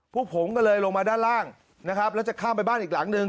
พวกผมก็เลยลงมาด้านล่างนะครับแล้วจะข้ามไปบ้านอีกหลังหนึ่ง